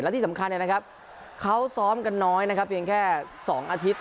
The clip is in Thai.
และที่สำคัญเขาซ้อมกันน้อยเพียงแค่๒อาทิตย์